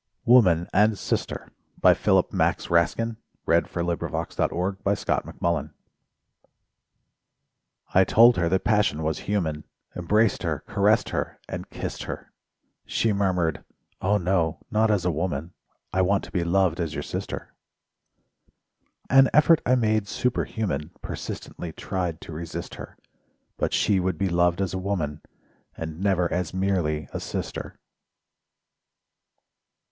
ye a mere star, So haunt me by day and by night? SONGS AND DREAMS Woman and Sister I told her that passion was human; Embraced her, caressed her, and kissed her; She murmured: "Oh, no! Not as woman, I want to be loved as your sister." An effort I made superhuman— Persistently tried to resist her: But she would be loved as a woman, And never as merely a sister.